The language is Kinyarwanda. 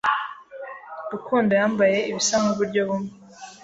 Rukundo yambaye ibisa nkuburyo bumwe.